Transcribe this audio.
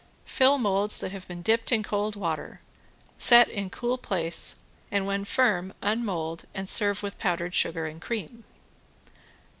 Fill molds that have been dipped in cold water, set in cool place and when firm unmold and serve with powdered sugar and cream.